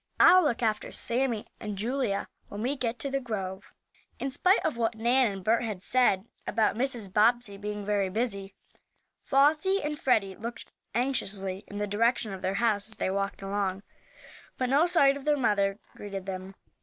"I'll look after Sammie and Julia when we get to the grove." In spite of what Nan and Bert had said about Mrs. Bobbsey being very busy, Flossie and Freddie looked anxiously in the direction of their house as they walked along. But no sight of their mother greeted them.